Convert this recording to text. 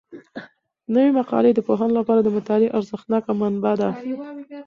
نوي مقالې د پوهانو لپاره د مطالعې ارزښتناکه منبع ده.